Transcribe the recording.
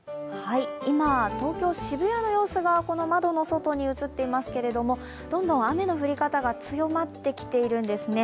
今、東京・渋谷の様子が窓の外に映っていますけれども、どんどん雨の降り方が強まってきてるんですね。